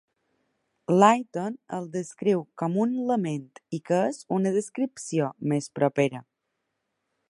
Layton el descriu com un lament i que és una descripció més propera.